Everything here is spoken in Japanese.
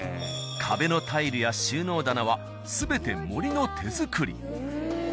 壁のタイルや収納棚は全て森の手づくり。